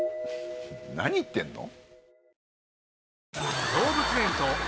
何言ってんの？